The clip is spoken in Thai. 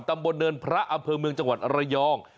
ตำบลเนินพระอำเภอเมืองจังหวัดระยอง